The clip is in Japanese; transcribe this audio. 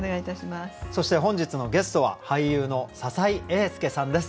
そして本日のゲストは俳優の篠井英介さんです。